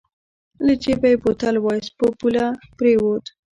له جېبه يې بوتل واېست په پوله پرېوت.